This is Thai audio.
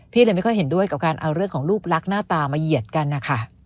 เลยไม่ค่อยเห็นด้วยกับการเอาเรื่องของรูปลักษณ์หน้าตามาเหยียดกันนะคะ